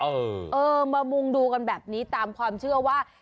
เออเออมามุงดูกันแบบนี้ตามความเชื่อว่า